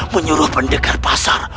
menyuruh pendekar pasar